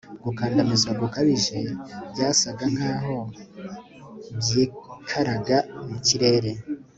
Gukandamizwa gukabije byasaga nkaho byikaraga mu kirere